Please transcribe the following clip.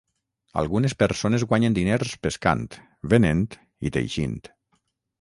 Algunes persones guanyen diners pescant, venent i teixint.